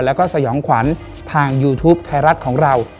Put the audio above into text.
แล้วก็สยองขวัญทางยูทูปไทยรัฐของเรา